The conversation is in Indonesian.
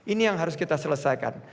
ini yang harus kita selesaikan